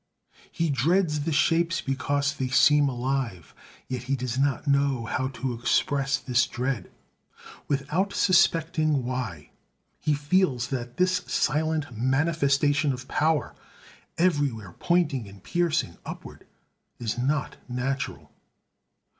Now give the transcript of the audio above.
He dreads the shapes because they seem alive; yet he does not know how to express this dread. Without suspecting why, he feels that this silent manifestation of power, everywhere pointing and piercing upward, is not natural.